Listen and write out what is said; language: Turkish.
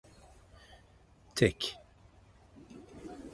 Tek…